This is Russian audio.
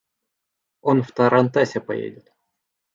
Он в тарантасе поедет.